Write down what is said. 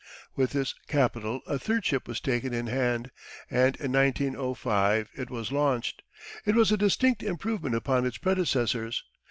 With this capital a third ship was taken in hand, and in 1905 it was launched. It was a distinct improvement upon its predecessors.